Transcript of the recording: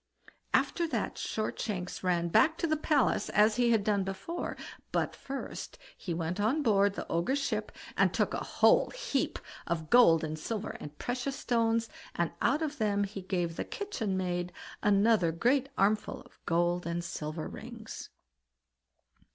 '" After that Shortshanks ran back to the palace, as he had done before; but he went first on board the Ogre's ship, and took a whole heap of gold, silver, and precious stones, and out of them he gave the kitchen maid another great armful of gold and silver rings.